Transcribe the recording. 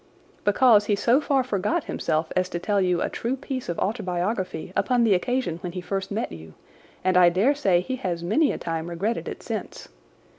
"Because he so far forgot himself as to tell you a true piece of autobiography upon the occasion when he first met you, and I dare say he has many a time regretted it since.